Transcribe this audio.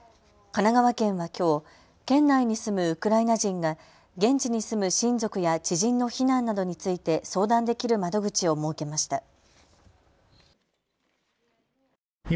神奈川県はきょう県内に住むウクライナ人が現地に住む親族や知人の避難などについて相談できる窓口を設けました。